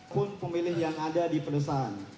pun pemilih yang ada di pedesaan